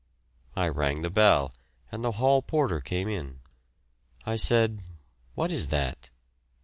I rang the bell and the hall porter came in; I said, "What is that?"